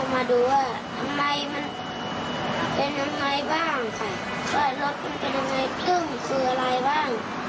รถมันเป็นยังไงซึ่งคืออะไรบ้าง